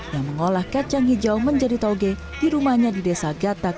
yang mengolah kacang hijau menjadi tauge di rumahnya di desa gatak